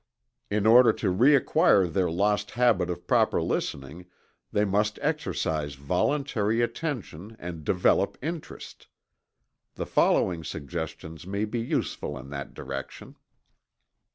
In order to reacquire their lost habit of proper listening, they must exercise voluntary attention and develop interest. The following suggestions may be useful in that direction.